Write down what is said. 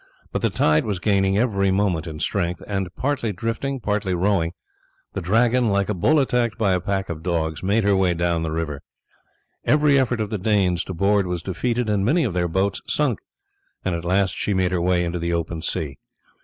But the tide was gaining every moment in strength, and partly drifting, partly rowing, the Dragon, like a bull attacked by a pack of dogs, made her way down the river. Every effort of the Danes to board was defeated, and many of their boats sunk, and at last she made her way into the open sea.